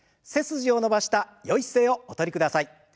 背筋を伸ばしたよい姿勢をお取りください。